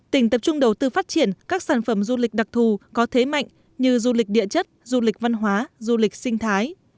tỉnh tập trung đầu tư phát triển các sản phẩm du lịch đặc thù có thế mạnh như du lịch địa chất du lịch văn hóa du lịch sinh thái